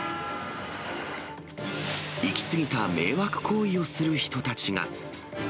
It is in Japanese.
行き過ぎた迷惑行為をする人たちが。